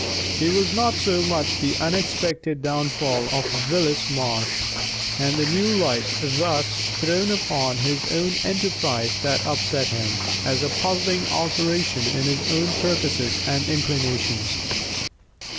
It was not so much the unexpected downfall of Willis Marsh, and the new light thus thrown upon his own enterprise that upset him, as a puzzling alteration in his own purposes and inclinations.